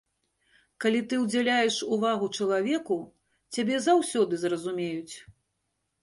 Калі ты ўдзяляеш увагу чалавеку, цябе заўсёды зразумеюць.